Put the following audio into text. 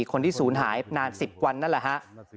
คนที่ศูนย์หายนาน๑๐วันนั่นแหละฮะ